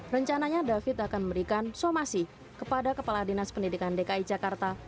rencananya david akan memberikan somasi kepada kepala dinas pendidikan dki jakarta